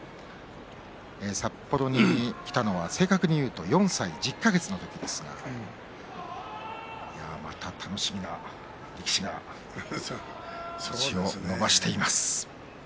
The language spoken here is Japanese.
札幌に来たのは、正確に言うと４歳１０か月の時ですがまた楽しみな力士が星を伸ばしています。